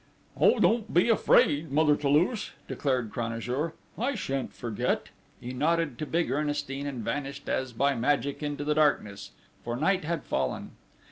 "Oh, don't be afraid, Mother Toulouche," declared Cranajour, "I shan't forget!" He nodded to big Ernestine, and vanished as by magic into the darkness, for night had fallen.